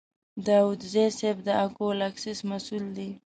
داوودزی صیب د اکول اکسیس مسوول دی.